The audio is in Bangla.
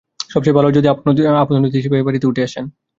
সবচেয়ে ভালো হয় যদি আপনি অতিথি হিসেবে এ-বাড়িতে উঠে আসেন।